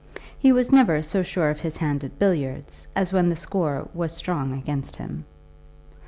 He was never so sure of his hand at billiards as when the score was strong against him.